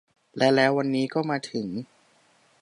และแล้ววันนี้ก็มาถึง